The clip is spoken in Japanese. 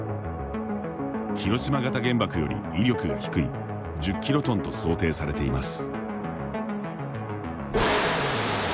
広島型原爆より威力が低い１０キロトンと想定されています。